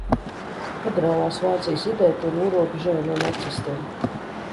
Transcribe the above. Federālas Vācijas ideja to norobežoja no nacistiem.